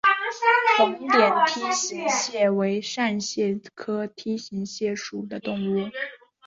红点梯形蟹为扇蟹科梯形蟹属的动物。